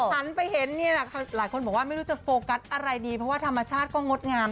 หันไปเห็นเนี่ยแหละหลายคนบอกว่าไม่รู้จะโฟกัสอะไรดีเพราะว่าธรรมชาติก็งดงาม